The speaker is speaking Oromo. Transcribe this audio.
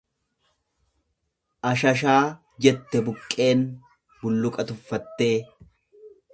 Ashashaa jette buqqeen bulluqa tuffattee.